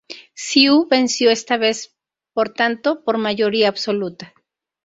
CiU venció esta vez, por tanto, por mayoría absoluta.